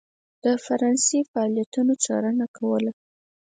د فرانسې فعالیتونو څارنه کوله.